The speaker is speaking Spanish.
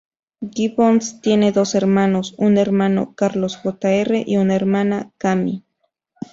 Gibbons tiene dos hermanos: un hermano, Carlos Jr., y una hermana, Cammy.